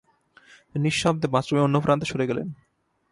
তিনি নিঃশব্দে বাথরুমের অন্য প্রান্তে সরে গেলেন।